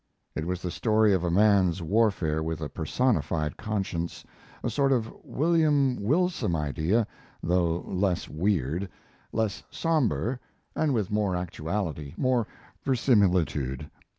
It was the story of a man's warfare with a personified conscience a sort of "William Wilson" idea, though less weird, less somber, and with more actuality, more verisimilitude.